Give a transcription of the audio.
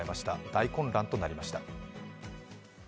大混乱となりました。